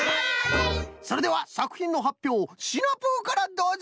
それではさくひんのはっぴょうシナプーからどうぞ！